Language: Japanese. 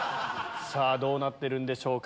どうなってるんでしょうか？